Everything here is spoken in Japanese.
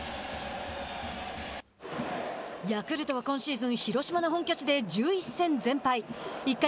ヤクルトは今シーズン広島の本拠地で１１戦全敗。